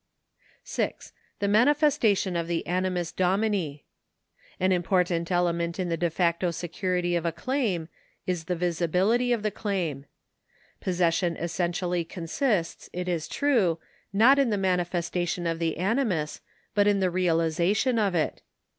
6. The manifestation of the animus domini. An important element in the de facto security of a claim is the visibility of the claim. Possession essentially consists, it is true, not in the manifestation of the animus, but in the realisation of it.